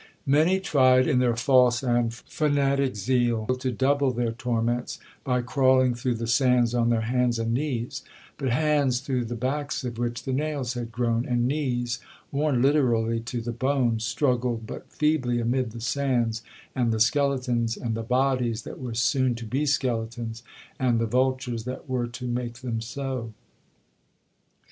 'Many tried, in their false and fanatic zeal, to double their torments, by crawling through the sands on their hands and knees; but hands through the backs of which the nails had grown, and knees worn literally to the bone, struggled but feebly amid the sands and the skeletons, and the bodies that were soon to be skeletons, and the vultures that were to make them so.